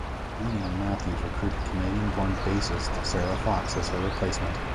Greaney and Matthews recruited Canadian born bassist Sarah Fox as her replacement.